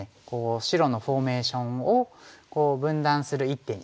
白のフォーメーションを分断する一手に見えるのですが。